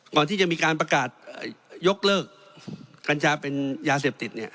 ก่อนที่จะมีการประกาศยกเลิกกัญชาเป็นยาเสพติดเนี่ย